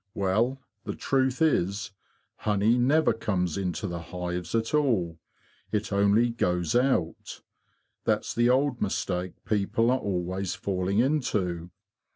'' Well, the truth is honey never comes into the hives at all; it only goes out. That's the old mistake people are always falling into.